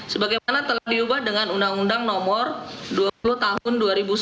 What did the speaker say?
sebagaimana telah diubah dengan undang undang nomor dua puluh tahun dua ribu sembilan